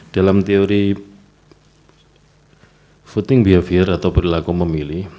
dalam teori voting behavior atau berlaku memilih